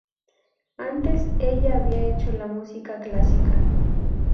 Antes, ella había hecho la música clásica.